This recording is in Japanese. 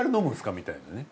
みたいなね。